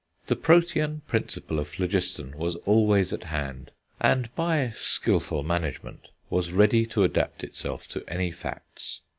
The protean principle of phlogiston was always at hand, and, by skilful management, was ready to adapt itself to any facts.